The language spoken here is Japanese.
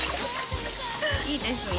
いいですね。